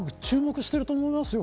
注目していると思いますよ。